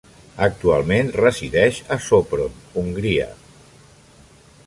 Actualment resideix a Sopron, Hongria.